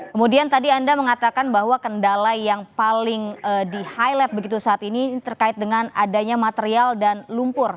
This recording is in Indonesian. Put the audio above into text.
kemudian tadi anda mengatakan bahwa kendala yang paling di highlight begitu saat ini terkait dengan adanya material dan lumpur